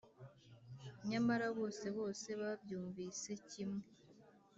nyamara bose bose babyumvise kimwe